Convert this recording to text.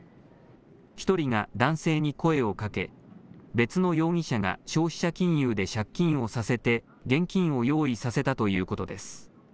１人が男性に声をかけ別の容疑者が消費者金融で借金をさせて現金を用意させたということです。